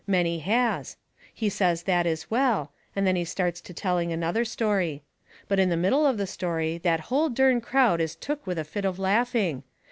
Many has. He says that is well, and then he starts to telling another story. But in the middle of the story that hull dern crowd is took with a fit of laughing.